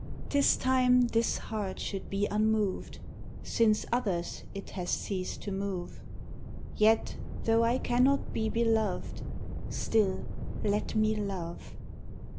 '_ 'Tis time this heart should be unmoved, Since others it hath ceased to move: Yet, though I cannot be beloved, Still let me love!